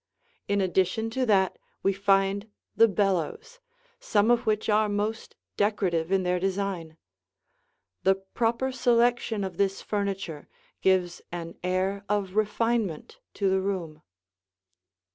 In addition to that, we find the bellows, some of which are most decorative in their design. The proper selection of this furniture gives an air of refinement to the room.